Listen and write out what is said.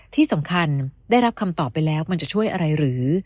ที่สำคัญได้รับคำตอบไปแล้วมันจะช่วยอะไรหรือ